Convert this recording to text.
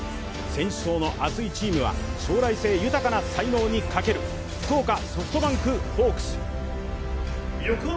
選手層の厚いチームは将来性豊かな才能にかける福岡ソフトバンクホークス。